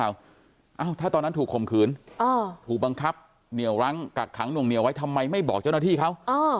อ้าวถ้าเมื่อถือยังโดยนะถูกข่มขื่นถูกบังคับเหนียวรั้งกักคำนวงเหนียวไว้ทำไมไม่บอกเจ้าหน้าที่เขา